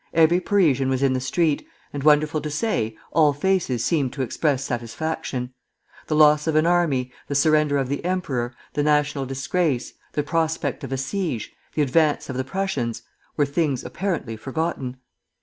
Every Parisian was in the street, and, wonderful to say, all faces seemed to express satisfaction. The loss of an army, the surrender of the emperor, the national disgrace, the prospect of a siege, the advance of the Prussians, were things apparently forgotten.